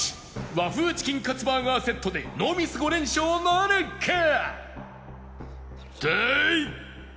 和風チキンカツバーガーセットでノーミス５連勝なるか？